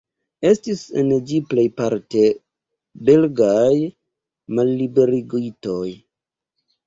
Estis en ĝi plejparte belgaj malliberigitoj.